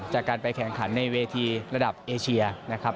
จากการไปแข่งขันในเวทีระดับเอเชียนะครับ